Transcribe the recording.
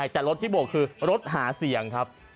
แต่รถที่บวกคือรถหาเสียงครับ